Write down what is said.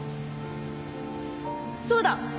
そうだ！